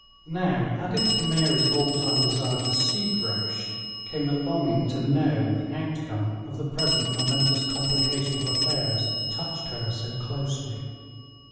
Now, added to Mary's old time desire to see Grouche, came a longing to know the outcome of the present momentous complication of affairs that touched her so closely.